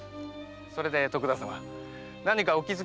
それで徳田様何かお気づきに？